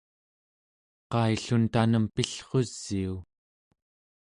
qaillun tanem pillrusiu?